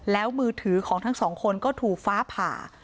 แล้วมือถือของทั้งสองคนก็ถูกฟ้าผ่า